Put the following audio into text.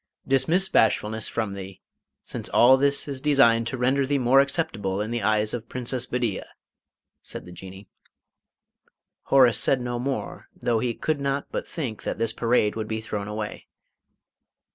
"Dismiss bashfulness from thee, since all this is designed to render thee more acceptable in the eyes of the Princess Bedeea," said the Jinnee. Horace said no more, though he could not but think that this parade would be thrown away.